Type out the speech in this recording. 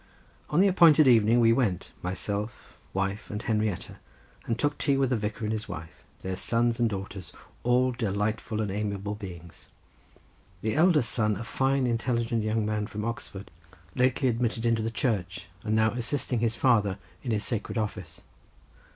On the appointed evening we went, myself, wife, and Henrietta, and took tea with the vicar and his wife, their sons and daughters, all delightful and amiable beings—the eldest son a fine intelligent young man from Oxford, lately admitted into the Church, and now assisting his father in his sacred office.